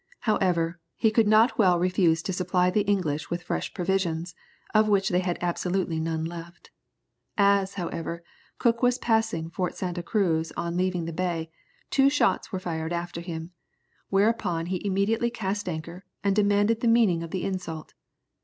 However, he could not well refuse to supply the English with fresh provisions, of which they had absolutely none left. As, however, Cook was passing Fort Santa Cruz on leaving the bay, two shots were fired after him, whereupon he immediately cast anchor, and demanded the meaning of the insult.